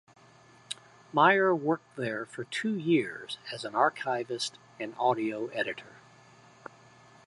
Mayer worked there for two years as an archivist and audio editor.